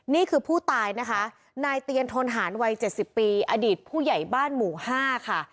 นี่คือผู้ตายนะคะนายเตียนทนหารวัย๗๐ปีอดีตผู้ใหญ่บ้านหมู่๕ค่ะ